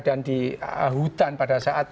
dan di hutan pada saat